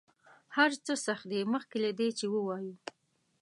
هر څه سخت دي مخکې له دې چې ووایو.